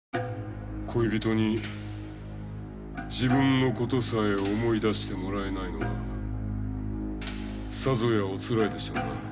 恋人に自分のことさえ思い出してもらえないのはさぞやおつらいでしょうな。